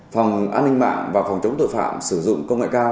phòng an ninh mạng và phòng chống tội phạm sử dụng công nghệ cao